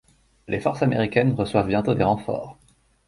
Les forces américaines reçoivent bientôt des renforts.